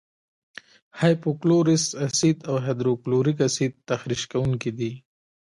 هایپو کلورس اسید او هایدروکلوریک اسید تخریش کوونکي دي.